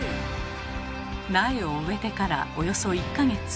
苗を植えてからおよそ１か月。